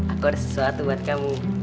aku ada sesuatu buat kamu